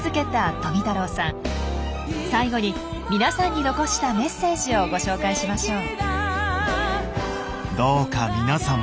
最後にみなさんに残したメッセージをご紹介しましょう。